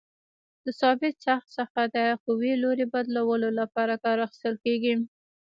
د ثابت څرخ څخه د قوې لوري بدلولو لپاره کار اخیستل کیږي.